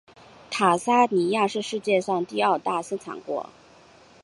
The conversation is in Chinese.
坦桑尼亚是世界上第二大生产国。